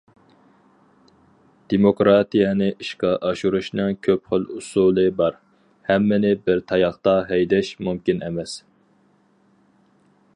دېموكراتىيەنى ئىشقا ئاشۇرۇشنىڭ كۆپ خىل ئۇسۇلى بار، ھەممىنى بىر تاياقتا ھەيدەش مۇمكىن ئەمەس.